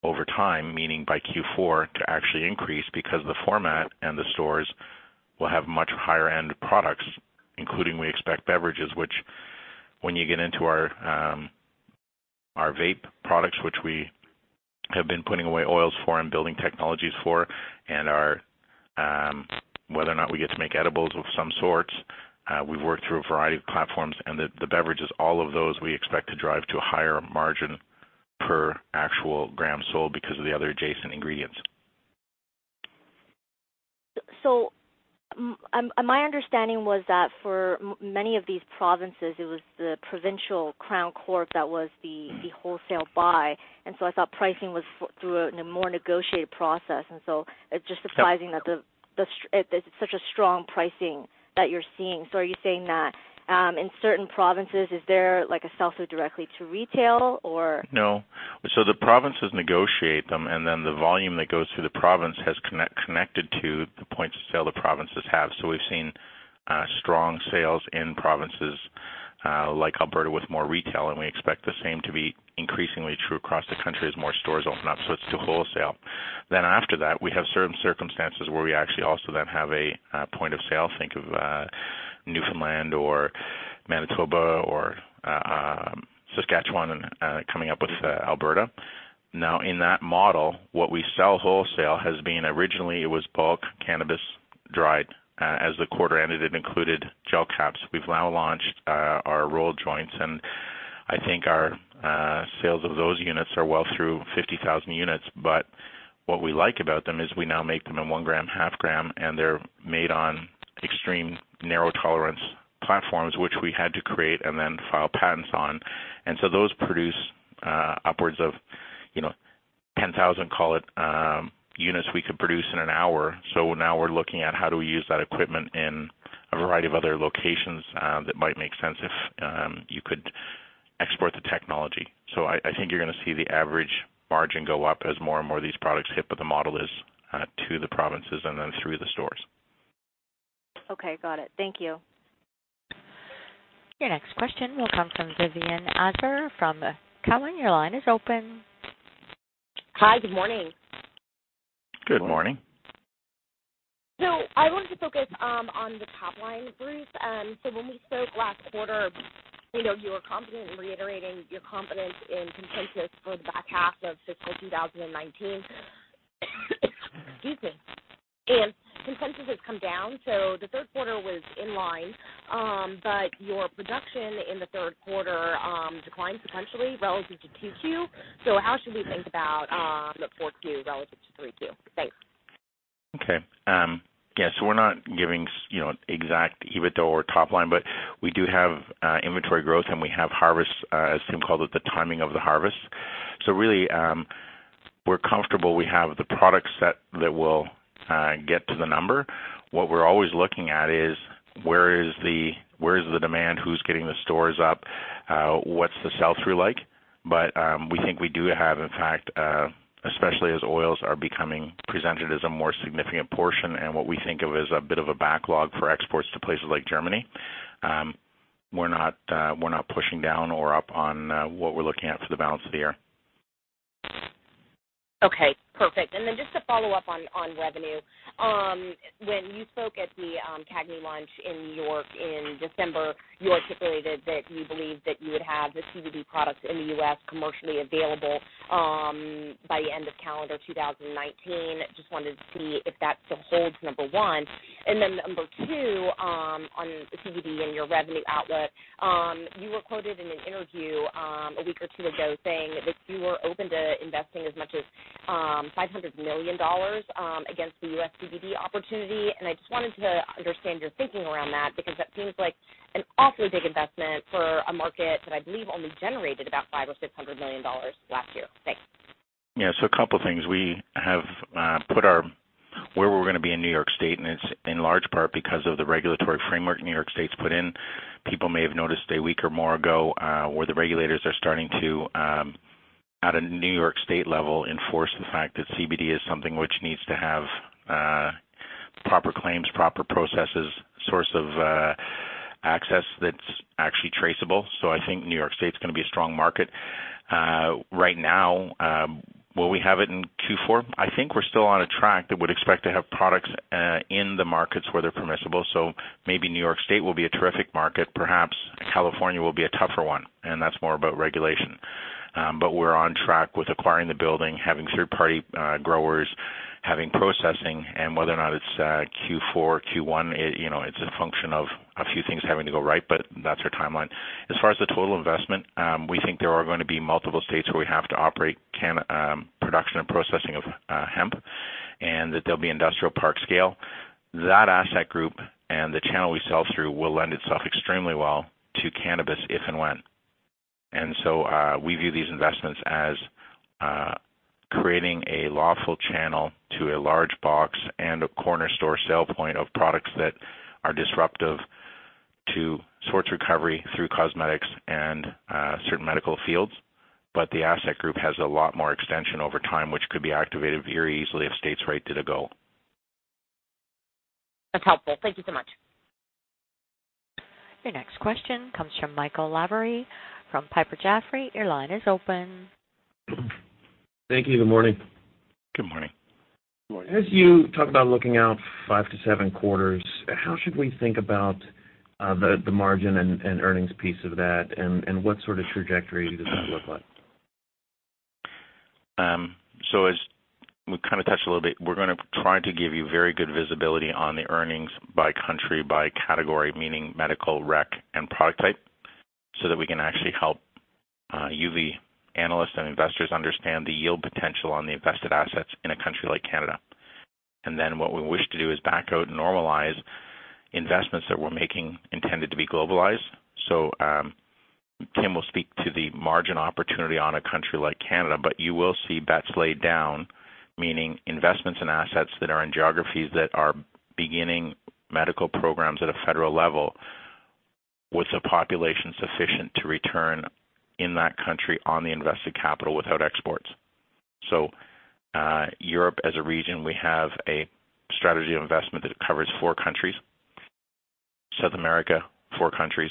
over time, meaning by Q4, to actually increase because the format and the stores will have much higher-end products, including, we expect, beverages, which when you get into our vape products, which we have been putting away oils for and building technologies for. Whether or not we get to make edibles of some sorts, we've worked through a variety of platforms, and the beverages, all of those we expect to drive to a higher margin per actual gram sold because of the other adjacent ingredients. My understanding was that for many of these provinces, it was the provincial crown corp that was the wholesale buy. I thought pricing was through a more negotiated process. It's just surprising that it's such a strong pricing that you're seeing. Are you saying that in certain provinces, is there a sell-through directly to retail or- No. The provinces negotiate them, and then the volume that goes through the province has connected to the points of sale the provinces have. We've seen strong sales in provinces like Alberta with more retail, and we expect the same to be increasingly true across the country as more stores open up. It's through wholesale. After that, we have certain circumstances where we actually also then have a point of sale. Think of Newfoundland or Manitoba or Saskatchewan, and coming up with Alberta. In that model, what we sell wholesale has been originally it was bulk cannabis, dried. As the quarter ended, it included gel caps. We've now launched our rolled joints, and I think our sales of those units are well through 50,000 units. What we like about them is we now make them in one gram, half gram, and they're made on extreme narrow tolerance platforms, which we had to create and then file patents on. Those produce upwards of 10,000, call it, units we could produce in an hour. Now we're looking at how do we use that equipment in a variety of other locations that might make sense if you could export the technology. I think you're going to see the average margin go up as more and more of these products hit, the model is to the provinces and then through the stores. Okay, got it. Thank you. Your next question will come from Vivien Azer from Cowen. Your line is open. Hi. Good morning. Good morning. I wanted to focus on the top line, Bruce Linton. When we spoke last quarter, you were confident in reiterating your confidence in consensus for the back half of fiscal 2019. Excuse me. Consensus has come down. The third quarter was in line, but your production in the third quarter declined potentially relative to Q2. How should we think about the fourth Q relative to three Q? Thanks. Okay. Yeah, we're not giving exact EBITDA or top line, but we do have inventory growth, and we have harvests, as Tim Saunders called it, the timing of the harvest. Really, we're comfortable we have the product set that will get to the number. What we're always looking at is where is the demand, who's getting the stores up, what's the sell-through like? We think we do have, in fact, especially as oils are becoming presented as a more significant portion and what we think of as a bit of a backlog for exports to places like Germany. We're not pushing down or up on what we're looking at for the balance of the year. Okay, perfect. Just to follow up on revenue. When you spoke at the CAGNY lunch in New York in December, you articulated that you believed that you would have the CBD products in the U.S. commercially available by end of calendar 2019. I just wanted to see if that still holds, number one. Number two, on CBD and your revenue outlook. You were quoted in an interview a week or two ago saying that you were open to investing as much as 500 million dollars against the U.S. CBD opportunity, and I just wanted to understand your thinking around that, because that seems like an awfully big investment for a market that I believe only generated about 500 million or 600 million dollars last year. Thanks. Yeah, a couple of things. We have put where we're going to be in New York State, and it's in large part because of the regulatory framework New York State's put in. People may have noticed a week or more ago where the regulators are starting to, at a New York State level, enforce the fact that CBD is something which needs to have proper claims, proper processes, source of access that's actually traceable. I think New York State's going to be a strong market. Right now, will we have it in Q4? I think we're still on a track that would expect to have products in the markets where they're permissible. Maybe New York State will be a terrific market. Perhaps California will be a tougher one, and that's more about regulation. We're on track with acquiring the building, having third-party growers, having processing, and whether or not it's Q4, Q1, it's a function of a few things having to go right, but that's our timeline. As far as the total investment, we think there are going to be multiple states where we have to operate production and processing of hemp, and that they'll be industrial park scale. That asset group and the channel we sell through will lend itself extremely well to cannabis if and when. We view these investments as creating a lawful channel to a large box and a corner store sale point of products that are disruptive to sports recovery through cosmetics and certain medical fields. The asset group has a lot more extension over time, which could be activated very easily if states were to go. That's helpful. Thank you so much. Your next question comes from Michael Lavery from Piper Jaffray. Your line is open. Thank you. Good morning. Good morning. Good morning. As you talk about looking out five to seven quarters, how should we think about the margin and earnings piece of that, and what sort of trajectory does that look like? As we kind of touched a little bit, we're going to try to give you very good visibility on the earnings by country, by category, meaning medical, rec, and product type, so that we can actually help you, the analysts and investors, understand the yield potential on the invested assets in a country like Canada. What we wish to do is back out and normalize investments that we're making intended to be globalized. Tim will speak to the margin opportunity on a country like Canada, you will see bets laid down, meaning investments in assets that are in geographies that are beginning medical programs at a federal level, with the population sufficient to return in that country on the invested capital without exports. Europe as a region, we have a strategy of investment that covers four countries. South America, four countries.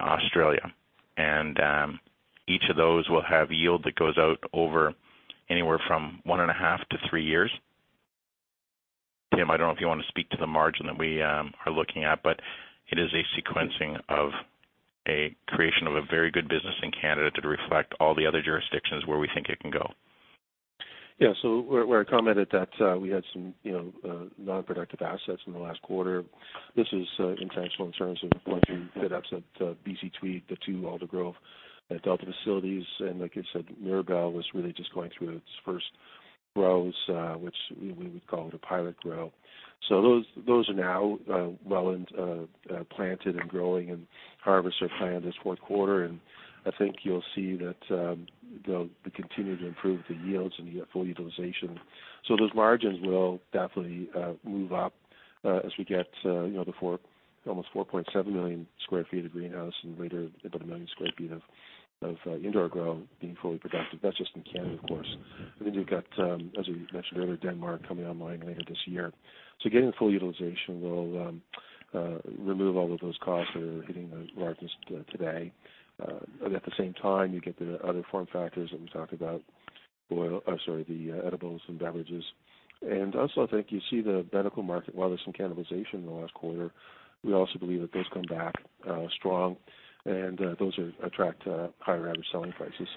Australia. Each of those will have yield that goes out over anywhere from one and a half to three years. Tim, I don't know if you want to speak to the margin that we are looking at, it is a sequencing of a creation of a very good business in Canada to reflect all the other jurisdictions where we think it can go. Yeah. Where I commented that we had some non-productive assets in the last quarter, this is intentional in terms of what you did up at BC Tweed, the two Aldergrove, Delta facilities. Like I said, Mirabel was really just going through its first grows, which we would call the pilot grow. Those are now well planted and growing, and harvests are planned this fourth quarter. I think you'll see that they'll continue to improve the yields and the full utilization. Those margins will definitely move up as we get the almost 4.7 million sq ft of greenhouse and later, about 1 million sq ft of indoor grow being fully productive. That's just in Canada, of course. Then you've got, as we mentioned earlier, Denmark coming online later this year. Getting full utilization will remove all of those costs that are hitting the margins today. At the same time, you get the other form factors that we talked about, the edibles and beverages. Also, I think you see the medical market, while there's some cannibalization in the last quarter, we also believe that those come back strong and those attract higher average selling prices.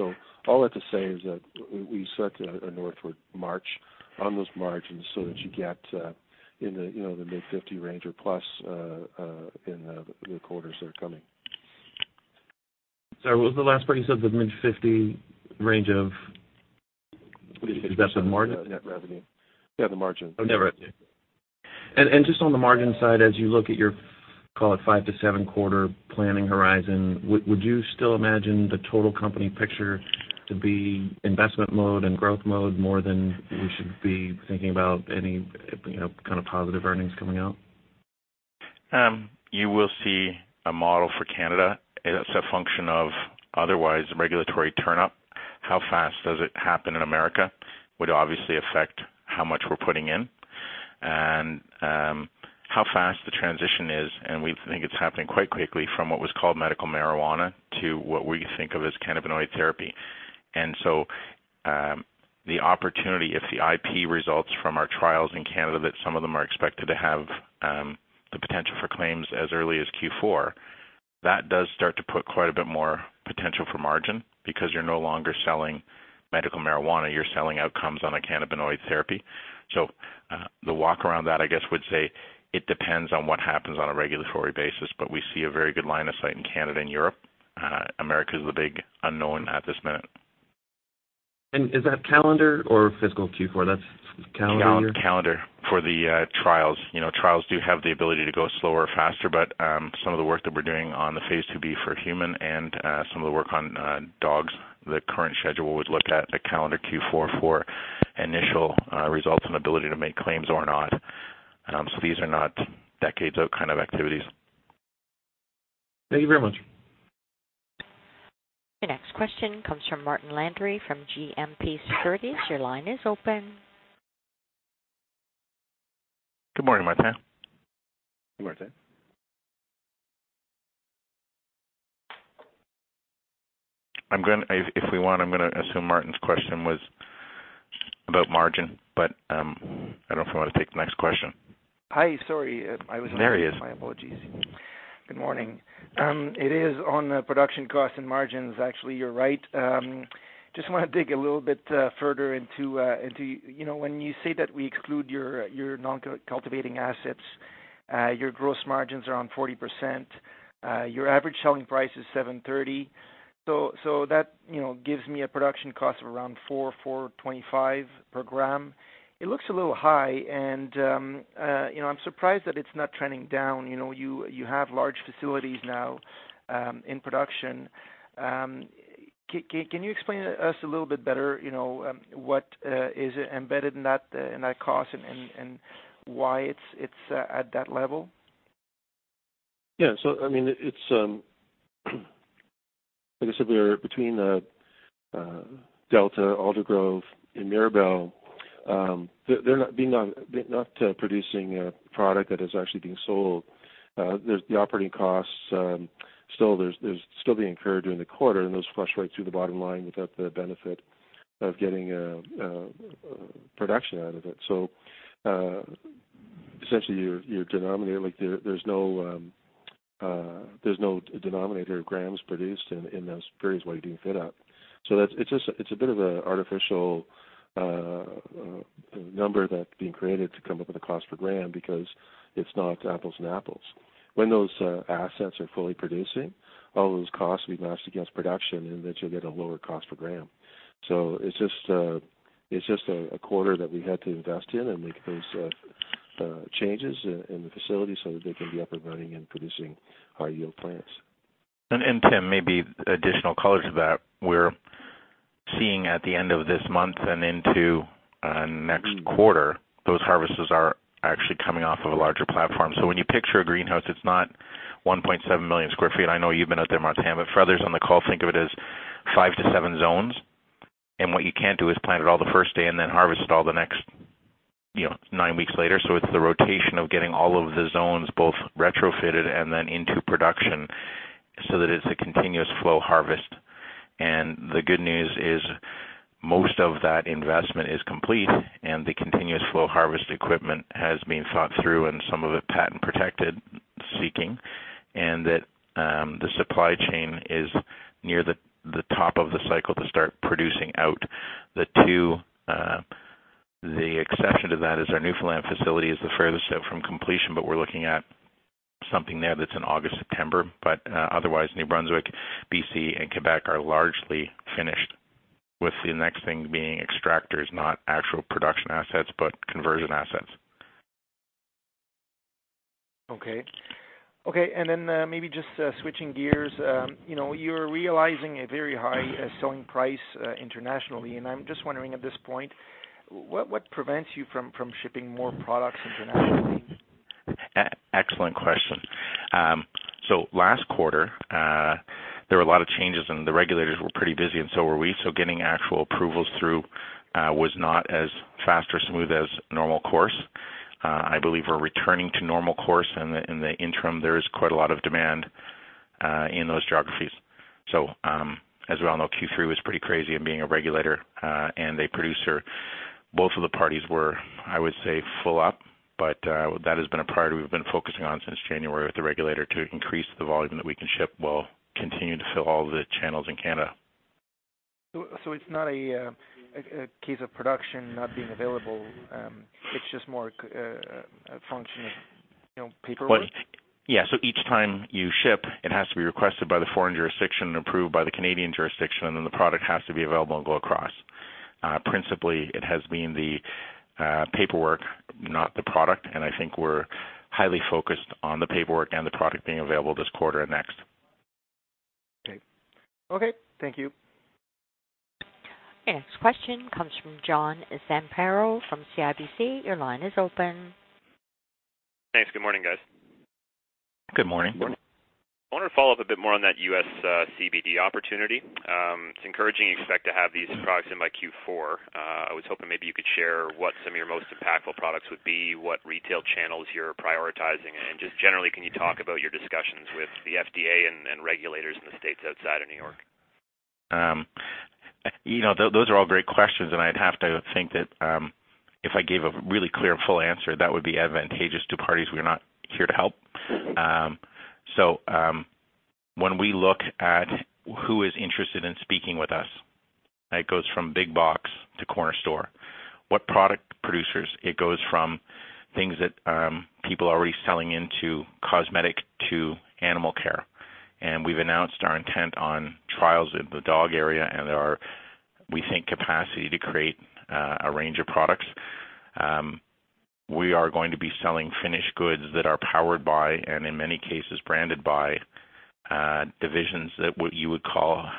All that to say is that we set a northward march on those margins so that you get in the mid-50 range or plus in the quarters that are coming. Sorry, what was the last part you said, the mid-50 range of? 50%, 60%. Is that the margin? Net revenue. Yeah, the margin. Okay. Just on the margin side, as you look at your, call it five to seven-quarter planning horizon, would you still imagine the total company picture to be investment mode and growth mode more than we should be thinking about any kind of positive earnings coming out? You will see a model for Canada, it's a function of otherwise regulatory turn-up. How fast does it happen in America would obviously affect how much we're putting in. How fast the transition is, and we think it's happening quite quickly, from what was called medical marijuana to what we think of as cannabinoid therapy. The opportunity, if the IP results from our trials in Canada, that some of them are expected to have the potential for claims as early as Q4, that does start to put quite a bit more potential for margin because you're no longer selling medical marijuana, you're selling outcomes on a cannabinoid therapy. The walk around that, I guess, would say it depends on what happens on a regulatory basis, but we see a very good line of sight in Canada and Europe. America is the big unknown at this minute. Is that calendar or fiscal Q4? That's calendar year? Calendar for the trials. Trials do have the ability to go slower or faster, but some of the work that we're doing on the phase IIB for human and some of the work on dogs, the current schedule would look at a calendar Q4 for initial results and ability to make claims or not. These are not decades out kind of activities. Thank you very much. Your next question comes from Martin Landry from GMP Securities. Your line is open. Good morning, Martin. Good morning. If we want, I am going to assume Martin's question was about margin. I don't know if you want to take the next question. Hi, sorry. I was on mute. There he is. My apologies. Good morning. It is on production costs and margins, actually, you are right. Just want to dig a little bit further into, when you say that we exclude your non-cultivating assets, your gross margins are on 40%. Your average selling price is 7.30. That gives me a production cost of around 4.25 per gram. It looks a little high, and I am surprised that it is not trending down. You have large facilities now in production. Can you explain to us a little bit better what is embedded in that cost and why it is at that level? Yeah. Like I said, between Delta, Aldergrove, and Mirabel, they're not producing a product that is actually being sold. The operating costs, they're still being incurred during the quarter, and those flush right through the bottom line without the benefit of getting production out of it. Essentially, your denominator, there's no denominator of grams produced in those various ways you're doing fit out. It's a bit of an artificial number that's being created to come up with a cost per gram because it's not apples and apples. When those assets are fully producing, all those costs will be matched against production, and then you'll get a lower cost per gram. It's just a quarter that we had to invest in and make those changes in the facility so that they can be up and running and producing high yield plants. Tim, maybe additional color to that. We're seeing at the end of this month and into next quarter, those harvests are actually coming off of a larger platform. When you picture a greenhouse, it's not 1.7 million sq ft. I know you've been out there once, Tim, but for others on the call, think of it as five to seven zones. What you can't do is plant it all the first day and then harvest it all the next nine weeks later. It's the rotation of getting all of the zones both retrofitted and then into production so that it's a continuous flow harvest. The good news is, most of that investment is complete, and the continuous flow harvest equipment has been thought through and some of it patent protected, seeking. That the supply chain is near the top of the cycle to start producing out the two. The exception to that is our Newfoundland facility is the furthest out from completion, but we're looking at something there that's in August, September. Otherwise, New Brunswick, B.C., and Quebec are largely finished, with the next thing being extractors, not actual production assets, but conversion assets. Okay. Maybe just switching gears. You're realizing a very high selling price internationally, I'm just wondering at this point, what prevents you from shipping more products internationally? Excellent question. Last quarter, there were a lot of changes and the regulators were pretty busy and so were we. Getting actual approvals through, was not as fast or smooth as normal course. I believe we're returning to normal course. In the interim, there is quite a lot of demand, in those geographies. As we all know, Q3 was pretty crazy and being a regulator, and a producer, both of the parties were, I would say, full up. That has been a priority we've been focusing on since January with the regulator to increase the volume that we can ship. We'll continue to fill all the channels in Canada. It's not a case of production not being available, it's just more a function of paperwork. Each time you ship, it has to be requested by the foreign jurisdiction and approved by the Canadian jurisdiction, and then the product has to be available and go across. Principally, it has been the paperwork, not the product, and I think we're highly focused on the paperwork and the product being available this quarter and next. Thank you. Your next question comes from John Zamparo from CIBC. Your line is open. Thanks. Good morning, guys. Good morning. Good morning. I wanted to follow up a bit more on that U.S. CBD opportunity. It's encouraging you expect to have these products in by Q4. I was hoping maybe you could share what some of your most impactful products would be, what retail channels you're prioritizing, and just generally, can you talk about your discussions with the FDA and regulators in the states outside of New York? Those are all great questions. I'd have to think that, if I gave a really clear, full answer, that would be advantageous to parties we're not here to help. When we look at who is interested in speaking with us, it goes from big box to corner store. What product producers, it goes from things that people are already selling into cosmetic to animal care. We've announced our intent on trials in the dog area and our, we think, capacity to create a range of products. We are going to be selling finished goods that are powered by and in many cases branded by, divisions that what you would call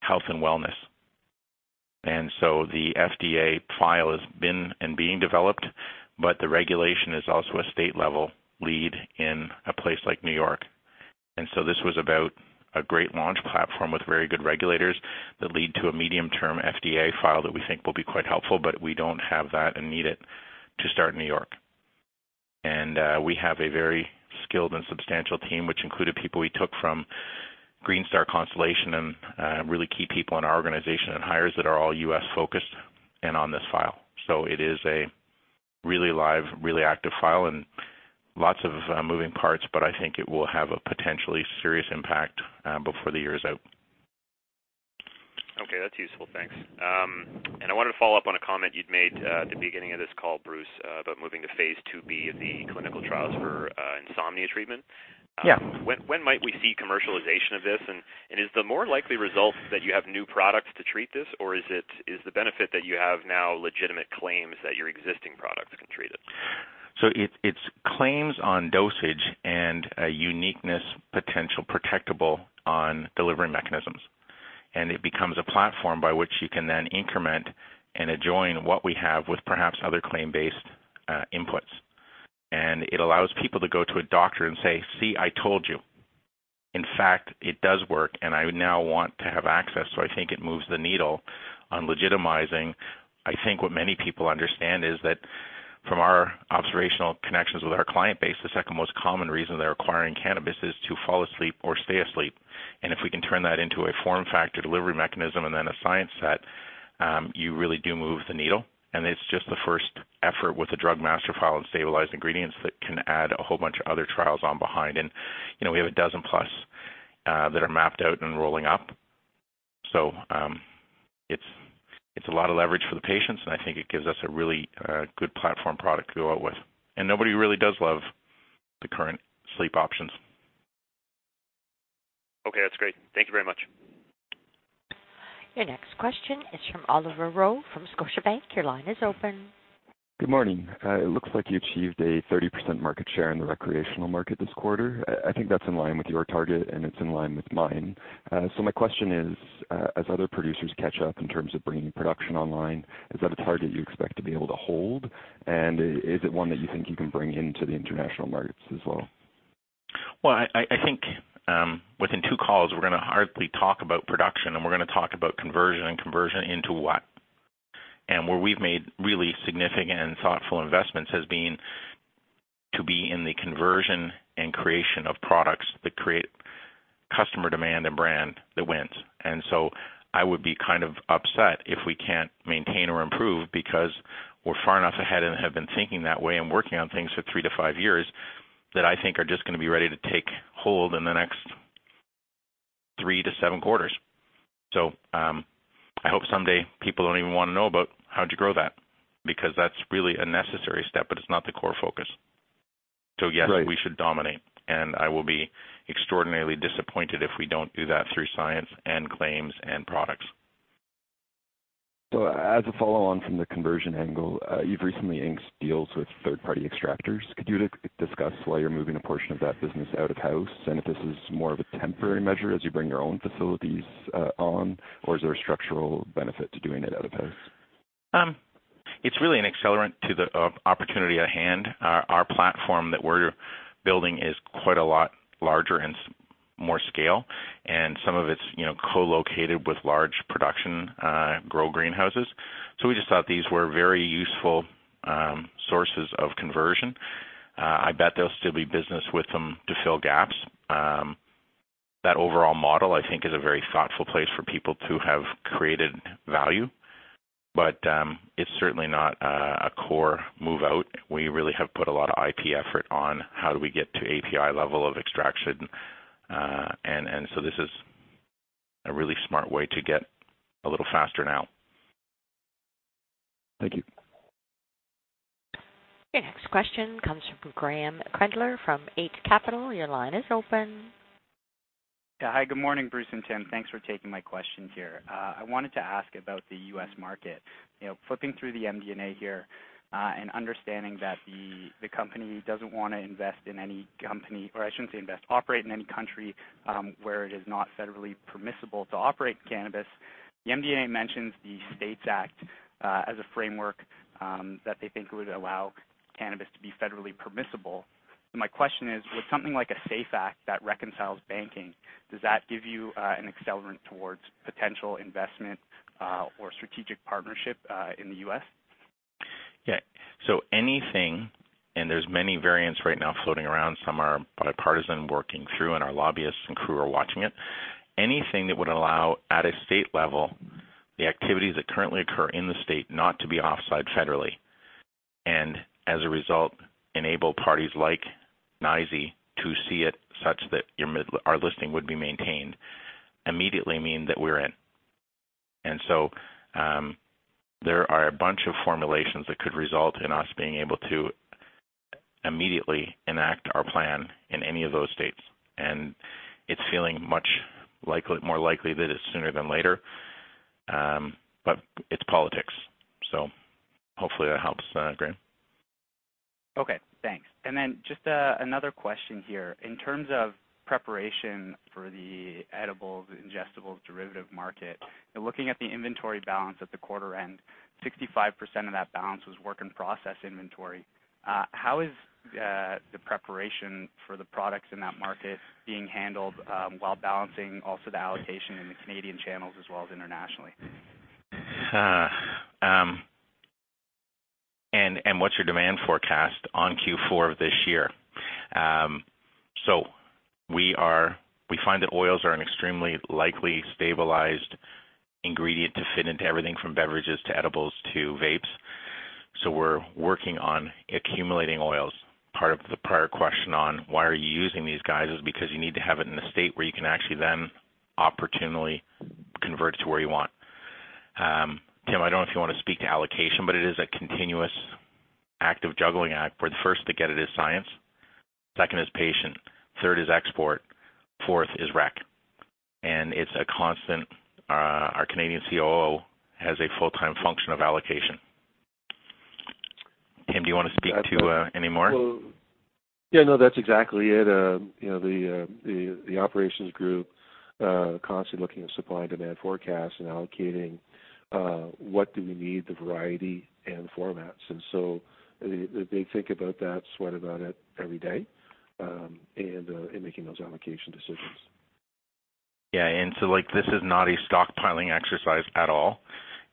health and wellness. The FDA file has been and being developed, but the regulation is also a state level lead in a place like New York. This was about a great launch platform with very good regulators that lead to a medium-term FDA file that we think will be quite helpful, but we don't have that and need it to start in New York. We have a very skilled and substantial team, which included people we took from Greenstar Constellation and really key people in our organization and hires that are all U.S.-focused and on this file. It is a really live, really active file and lots of moving parts, but I think it will have a potentially serious impact, before the year is out. Okay. That's useful. Thanks. I wanted to follow up on a comment you'd made at the beginning of this call, Bruce, about moving to phase IIB of the clinical trials for insomnia treatment. Yeah. When might we see commercialization of this? Is the more likely result that you have new products to treat this, or is the benefit that you have now legitimate claims that your existing products can treat it? It's claims on dosage and a uniqueness potential protectable on delivery mechanisms. It becomes a platform by which you can then increment and adjoin what we have with perhaps other claim-based inputs. It allows people to go to a doctor and say, "See, I told you. In fact, it does work, and I now want to have access." I think it moves the needle on legitimizing. I think what many people understand is that from our observational connections with our client base, the second most common reason they're acquiring cannabis is to fall asleep or stay asleep. If we can turn that into a form factor delivery mechanism and then a science set you really do move the needle, and it's just the first effort with the Drug Master File and stabilized ingredients that can add a whole bunch of other trials on behind. We have a dozen plus that are mapped out and rolling up. It's a lot of leverage for the patients, and I think it gives us a really good platform product to go out with. Nobody really does love the current sleep options. Okay. That's great. Thank you very much. Your next question is from Owen Bennett from Scotiabank. Your line is open. Good morning. It looks like you achieved a 30% market share in the recreational market this quarter. I think that's in line with your target, and it's in line with mine. My question is, as other producers catch up in terms of bringing production online, is that a target you expect to be able to hold? Is it one that you think you can bring into the international markets as well? Well, I think within two calls we're going to hardly talk about production, and we're going to talk about conversion and conversion into what. Where we've made really significant and thoughtful investments has been to be in the conversion and creation of products that create customer demand and brand that wins. I would be kind of upset if we can't maintain or improve, because we're far enough ahead and have been thinking that way and working on things for three to five years that I think are just going to be ready to take hold in the next three to seven quarters. I hope someday people don't even want to know about how'd you grow that, because that's really a necessary step, but it's not the core focus. Right. Yes, we should dominate, and I will be extraordinarily disappointed if we don't do that through science and claims and products. As a follow-on from the conversion angle, you've recently inked deals with third-party extractors. Could you discuss why you're moving a portion of that business out of house, and if this is more of a temporary measure as you bring your own facilities on, or is there a structural benefit to doing it out of house? It's really an accelerant to the opportunity at hand. Our platform that we're building is quite a lot larger and more scale, and some of it's co-located with large production grow greenhouses. We just thought these were very useful sources of conversion. I bet there'll still be business with them to fill gaps. That overall model, I think, is a very thoughtful place for people to have created value. It's certainly not a core move out. We really have put a lot of IP effort on how do we get to API level of extraction. This is a really smart way to get a little faster now. Thank you. Your next question comes from Graeme Kreindler from Eight Capital. Your line is open. Yeah. Hi, good morning, Bruce and Tim. Thanks for taking my questions here. I wanted to ask about the U.S. market. Flipping through the MD&A here, and understanding that the company doesn't want to invest in any company, or I shouldn't say invest, operate in any country where it is not federally permissible to operate cannabis. The MD&A mentions the STATES Act as a framework that they think would allow cannabis to be federally permissible. My question is, with something like a SAFE Act that reconciles banking, does that give you an accelerant towards potential investment or a strategic partnership in the U.S.? Yeah. Anything, and there's many variants right now floating around, some are bipartisan working through, and our lobbyists and crew are watching it. Anything that would allow, at a state level, the activities that currently occur in the state not to be offside federally, and as a result, enable parties like NYSE to see it such that our listing would be maintained, immediately mean that we're in. There are a bunch of formulations that could result in us being able to immediately enact our plan in any of those states. It's feeling much more likely that it's sooner than later. It's politics, hopefully that helps, Graeme. Okay, thanks. Just another question here. In terms of preparation for the edibles, ingestibles derivative market, and looking at the inventory balance at the quarter end, 65% of that balance was work in process inventory. How is the preparation for the products in that market being handled, while balancing also the allocation in the Canadian channels as well as internationally? What's your demand forecast on Q4 of this year? We find that oils are an extremely likely stabilized ingredient to fit into everything from beverages to edibles to vapes. We're working on accumulating oils. Part of the prior question on why are you using these guys is because you need to have it in a state where you can actually then opportunely convert to where you want. Tim, I don't know if you want to speak to allocation, but it is a continuous active juggling act where the first to get it is science, second is patient, third is export, fourth is rec. It's a constant. Our Canadian COO has a full-time function of allocation. Tim, do you want to speak to any more? Yeah, no, that's exactly it. The operations group constantly looking at supply and demand forecasts and allocating what do we need, the variety and formats. They think about that, sweat about it every day, and making those allocation decisions. Yeah. This is not a stockpiling exercise at all.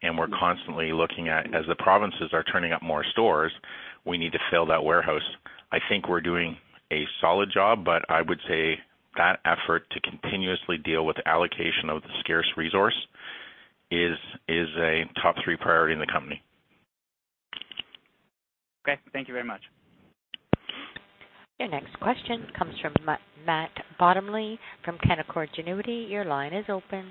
We're constantly looking at as the provinces are turning up more stores. We need to fill that warehouse. I think we're doing a solid job, but I would say that effort to continuously deal with allocation of the scarce resource is a top 3 priority in the company. Okay. Thank you very much. Your next question comes from Matt Bottomley from Canaccord Genuity. Your line is open.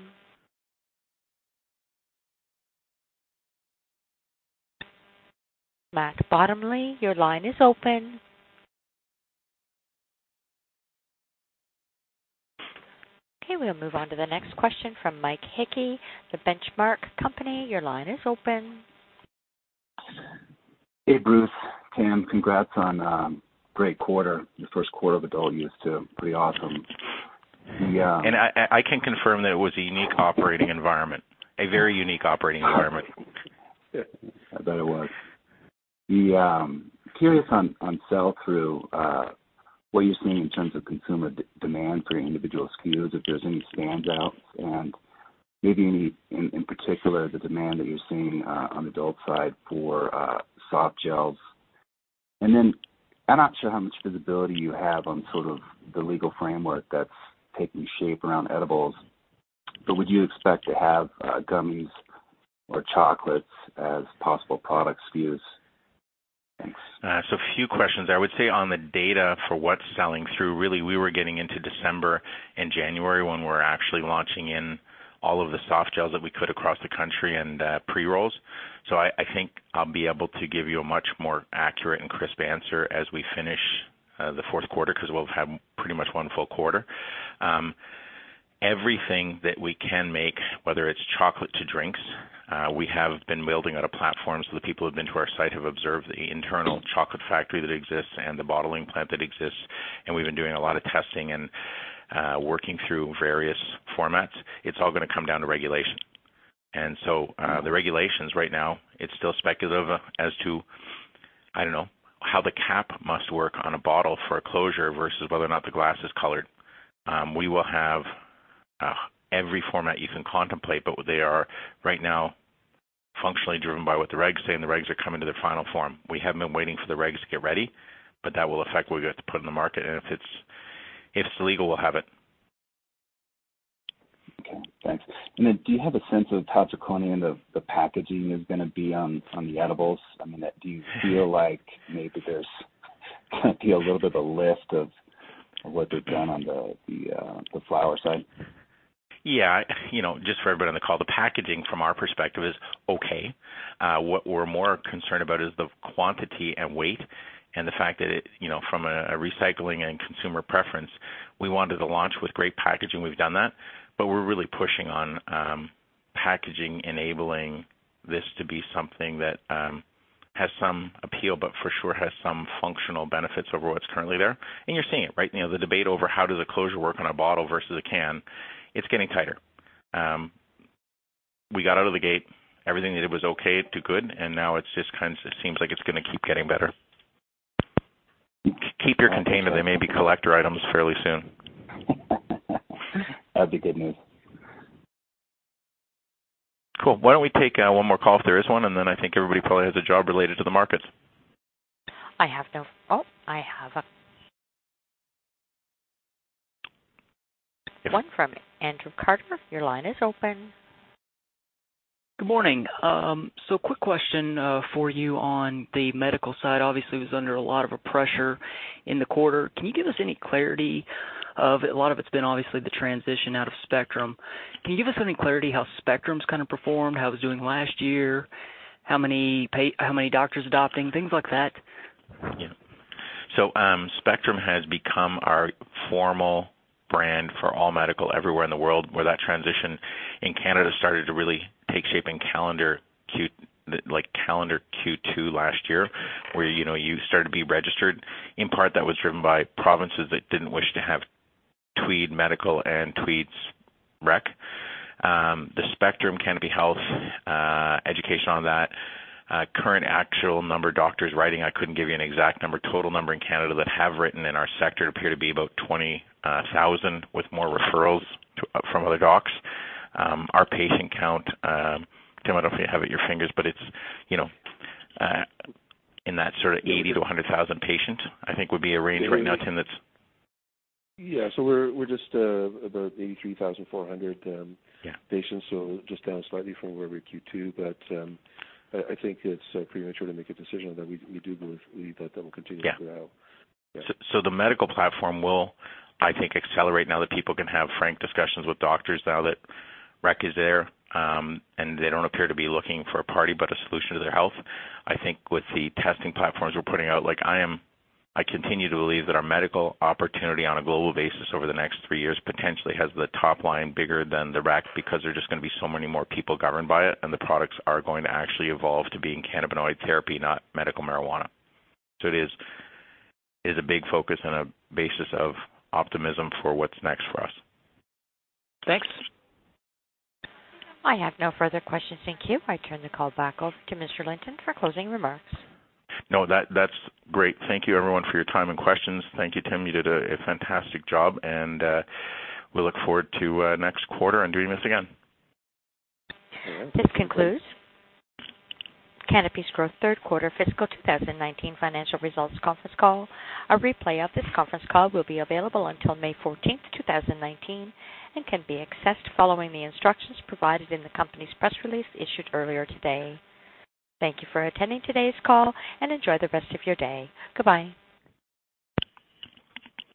Matt Bottomley, your line is open. Okay, we'll move on to the next question from Mike Hickey, The Benchmark Company. Your line is open. Hey, Bruce, Tim, congrats on a great quarter. The first quarter of adult use, too, pretty awesome. I can confirm that it was a unique operating environment, a very unique operating environment. I bet it was. Curious on sell-through, what are you seeing in terms of consumer demand for individual SKUs, if there's any standouts, and maybe in particular, the demand that you're seeing on adult side for softgels. I'm not sure how much visibility you have on sort of the legal framework that's taking shape around edibles, but would you expect to have gummies or chocolates as possible product SKUs? Thanks. A few questions. I would say on the data for what's selling through, really, we were getting into December and January when we're actually launching in all of the softgels that we could across the country and pre-rolls. I think I'll be able to give you a much more accurate and crisp answer as we finish the fourth quarter, because we'll have had pretty much one full quarter. Everything that we can make, whether it's chocolate to drinks, we have been building out a platform. The people who've been to our site have observed the internal chocolate factory that exists and the bottling plant that exists. We've been doing a lot of testing and working through various formats. It's all going to come down to regulation. The regulations right now, it's still speculative as to, I don't know, how the cap must work on a bottle for a closure versus whether or not the glass is colored. We will have every format you can contemplate, they are right now functionally driven by what the regs say, and the regs are coming to their final form. We have been waiting for the regs to get ready, that will affect what we get to put in the market, and if it's legal, we'll have it. Okay, thanks. Do you have a sense of how draconian the packaging is going to be on the edibles? I mean, do you feel like maybe there's going to be a little bit of a lift of what they've done on the flower side? Yeah. Just for everybody on the call, the packaging from our perspective is okay. What we're more concerned about is the quantity and weight and the fact that from a recycling and consumer preference, we wanted to launch with great packaging. We've done that, we're really pushing on packaging enabling this to be something that has some appeal, but for sure has some functional benefits over what's currently there. You're seeing it, right? The debate over how does a closure work on a bottle versus a can. It's getting tighter. We got out of the gate, everything that it was okay to good, now it seems like it's going to keep getting better. Keep your container. They may be collector items fairly soon. That'd be good news. Cool. Why don't we take one more call if there is one, then I think everybody probably has a job related to the markets. Oh, I have one from Andrew Carter. Your line is open. Good morning. Quick question for you on the medical side. Obviously, it was under a lot of pressure in the quarter. A lot of it's been obviously the transition out of Spectrum. Can you give us any clarity how Spectrum's kind of performed, how it was doing last year, how many doctors adopting, things like that? Yeah. Spectrum has become our formal brand for all medical everywhere in the world, where that transition in Canada started to really take shape in calendar Q2 last year, where you started to be registered. In part, that was driven by provinces that didn't wish to have Tweed Medical and Tweed's rec. The Spectrum Canopy Health, education on that. Current actual number of doctors writing, I couldn't give you an exact number. Total number in Canada that have written in our sector appear to be about 20,000 with more referrals from other docs. Our patient count, Tim, I don't know if you have it at your fingers, but it's in that sort of 80,000 to 100,000 patient, I think would be a range right now, Tim, that's- Yeah. We're just about 83,400 patients. Yeah. Just down slightly from where we were Q2, but I think it's premature to make a decision on that. We do believe that that will continue to grow. Yeah. The medical platform will, I think, accelerate now that people can have frank discussions with doctors now that rec is there. They don't appear to be looking for a party, but a solution to their health. I think with the testing platforms we're putting out, I continue to believe that our medical opportunity on a global basis over the next three years potentially has the top line bigger than the rec because there are just going to be so many more people governed by it, and the products are going to actually evolve to being cannabinoid therapy, not medical marijuana. It is a big focus and a basis of optimism for what's next for us. Thanks. I have no further questions. Thank you. I turn the call back over to Mr. Linton for closing remarks. No, that's great. Thank you, everyone, for your time and questions. Thank you, Tim. You did a fantastic job, and we look forward to next quarter and doing this again. Yeah. This concludes Canopy Growth third quarter fiscal 2019 financial results conference call. A replay of this conference call will be available until May 14th, 2019, and can be accessed following the instructions provided in the company's press release issued earlier today. Thank you for attending today's call, and enjoy the rest of your day. Goodbye.